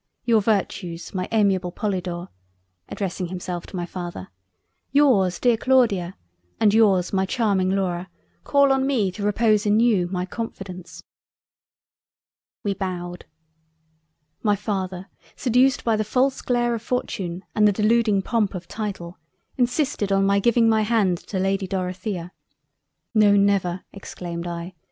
Your Virtues my amiable Polydore (addressing himself to my father) yours Dear Claudia and yours my Charming Laura call on me to repose in you, my confidence." We bowed. "My Father seduced by the false glare of Fortune and the Deluding Pomp of Title, insisted on my giving my hand to Lady Dorothea. No never exclaimed I.